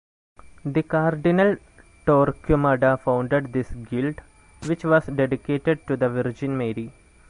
The Cardinal Torquemada founded this guild, which was dedicated to the Virgin Mary.